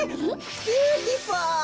ビューティフォ！